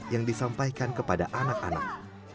yang disampaikan kepada anak anak